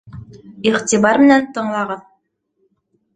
Иғтибар менән тыңлағыҙ!